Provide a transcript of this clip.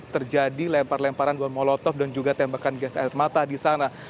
terjadi lempar lemparan molotov dan juga tembakan gas air mata di sana